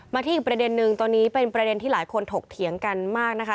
ที่อีกประเด็นนึงตอนนี้เป็นประเด็นที่หลายคนถกเถียงกันมากนะคะ